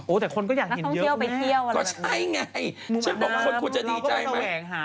โอ้แต่คนก็อยากเห็นเยอะแน่ะก็ใช่ไงฉันบอกว่าคนคงจะดีใจไหมมุมน้ำ